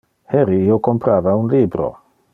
Heri io comprava un libro.